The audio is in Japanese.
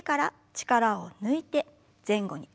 力を抜いて前後に。